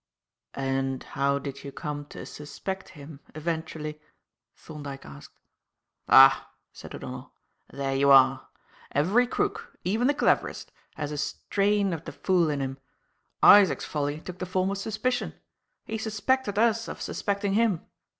"And how did you come to suspect him eventually?" Thorndyke asked. "Ah!" said O'Donnell. "There you are. Every crook even the cleverest has a strain of the fool in him. Isaac's folly took the form of suspicion. He suspected us of suspecting him.